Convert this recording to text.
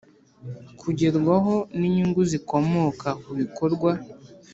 Kugerwaho n inyungu zikomoka ku bikorwa